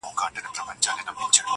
شاعرانو پکښي ولوستل شعرونه!